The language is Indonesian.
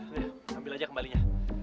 nih ambil aja kembalinya